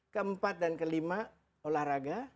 ke empat dan ke lima olahraga